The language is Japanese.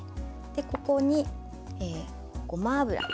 ここにごま油。